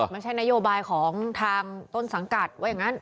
ไม่ใช่นโยบายของทางต้นสังกัดว่าอย่างนั้น